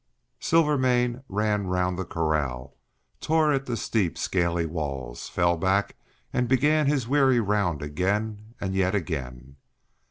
Silvermane ran round the corral, tore at the steep scaly walls, fell back and began his weary round again and yet again.